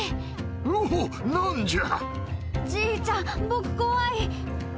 おぉ何じゃ。